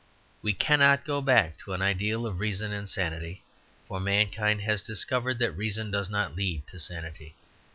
We cannot go back to an ideal of reason and sanity. For mankind has discovered that reason does not lead to sanity.